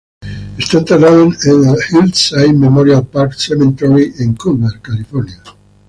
Está enterrado en el Hillside Memorial Park Cemetery en Culver, California.